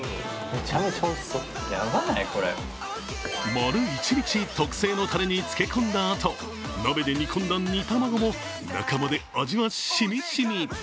丸一日、特製のタレに漬け込んだあと鍋で煮込んだ煮玉子も中まで味はしみしみ。